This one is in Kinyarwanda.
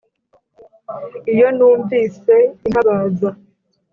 Iyo numvise intabaza